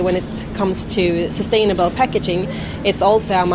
ketika berdasarkan packaging yang berkendaraan